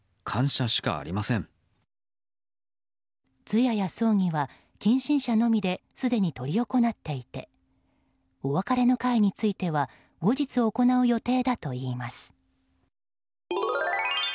通夜や葬儀は近親者のみですでに執り行っていてお別れの会については後日行う予定だといいます。